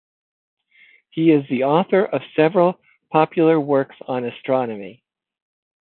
He is the author of several popular works on astronomy.